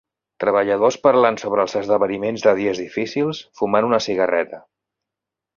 Treballadors parlant sobre els esdeveniments de dies difícils fumant una cigarreta.